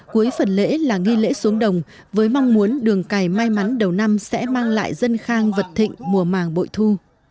cuối phần lễ là nghi lễ xuống đồng với mong muốn đường cày may mắn đầu năm sẽ mang lại dân khang vật thịnh mùa màng bội thu